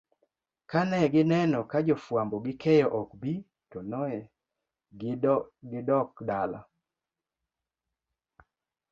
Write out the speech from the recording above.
kanegineno ka jofwambo gi keyo ok bi tonegidokdala